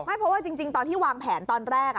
เพราะว่าจริงตอนที่วางแผนตอนแรก